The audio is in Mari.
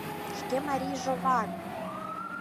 Шке марийжылан!